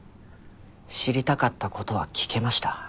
知りたかった事は聞けました。